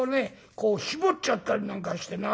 こう絞っちゃったりなんかしてな。